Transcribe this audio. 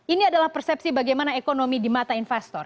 ini adalah persepsi bagaimana ekonomi di mata investor